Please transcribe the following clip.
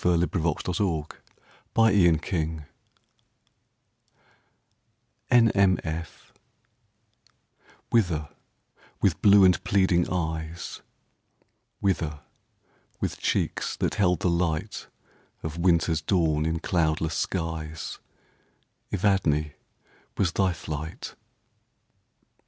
1917. George Sterling The Ashes in the Sea WHITHER, with blue and pleading eyes,—Whither, with cheeks that held the lightOf winter's dawn in cloudless skies, Evadne, was thy flight?